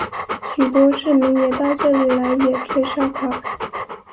许多市民也到这里来野炊烧烤。